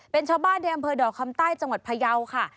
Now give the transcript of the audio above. เป็นชาวบ้านในอำเภอดอกคำใต้จังหวัดพยาวค่ะ